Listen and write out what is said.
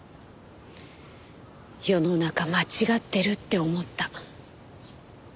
世の中間違ってるって思った。